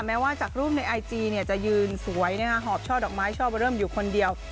แม้ว่าจากรูปในไอจีจะยืนสวยหอบช่อดอกไม้ชอบเริ่มอยู่คนเดียว